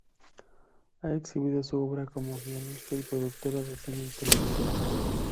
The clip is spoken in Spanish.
Ha exhibido su obra como guionista y productora de cine y televisión.